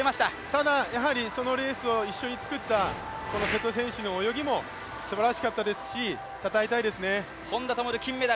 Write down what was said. ただそのレースを一緒に作った瀬戸選手の泳ぎもすばらしかったですしたたえたいですね。